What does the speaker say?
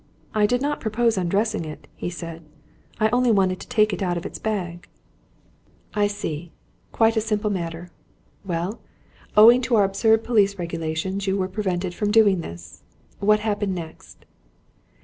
"I did not propose undressing it," he said. "I only wanted to take it out of its bag." "I see. Quite a simple matter. Well? Owing to our absurd police regulations you were prevented from doing this. What happened next?"